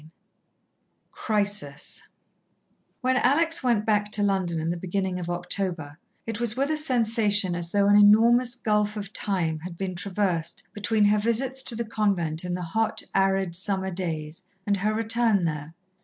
XVIII Crisis When Alex went back to London in the beginning of October, it was with a sensation as though an enormous gulf of time had been traversed between her visits to the convent in the hot, arid summer days and her return there.